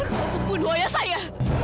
kau pembunuh ayah saya